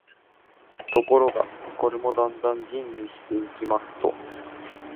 ところが、これもだんだん吟味していきますと、